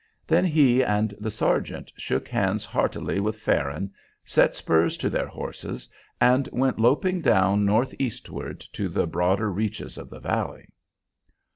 Then he and the sergeant shook hands heartily with Farron, set spurs to their horses, and went loping down northeastward to the broader reaches of the valley.